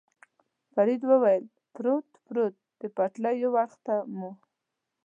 فرید وویل: پروت، پروت، د پټلۍ یو اړخ ته مو.